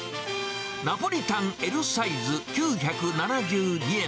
ナポリタンＬサイズ９７２円。